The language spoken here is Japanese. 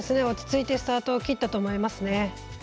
落ち着いてスタートを切ったと思いますね。